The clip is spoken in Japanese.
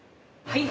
はい。